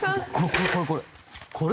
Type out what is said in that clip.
これこれこれこれ。